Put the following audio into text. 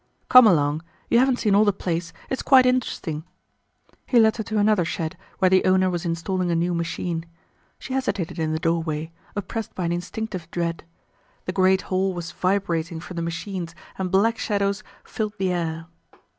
"Come along. You haven't seen all the place. It's quite interesting." He led her to another shed where the owner was installing a new machine. She hesitated in the doorway, oppressed by an instinctive dread. The great hall was vibrating from the machines and black shadows filled the air.